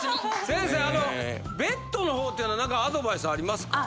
先生あのベッドの方って何かアドバイスありますか？